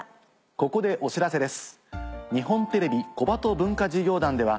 ここでお知らせです。